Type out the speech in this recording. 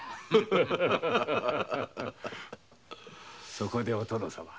そこでお殿様。